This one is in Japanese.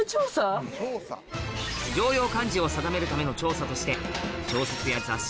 常用漢字を定めるための調査として小説や雑誌